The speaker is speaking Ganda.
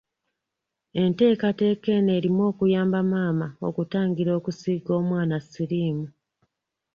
Enteekateeka eno erimu okuyamba maama okutangira okusiiga omwana siriimu.